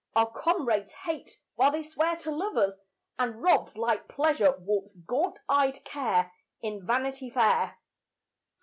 Our comrades hate, while they swear to love us; And robed like Pleasure walks gaunt eyed Care, In Vanity Fair.